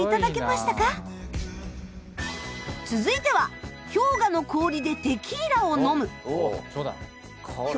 続いては氷河の氷でテキーラを飲む。